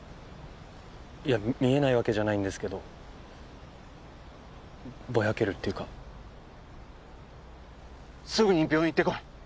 いや見えないわけじゃないんですけどぼやけるっていうかすぐに病院行ってこい！